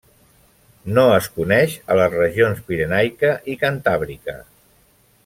No es coneix a les regions Pirenaica i Cantàbrica.